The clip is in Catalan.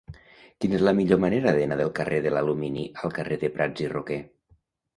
Quina és la millor manera d'anar del carrer de l'Alumini al carrer de Prats i Roquer?